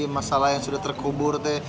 masalah yang sudah terkubur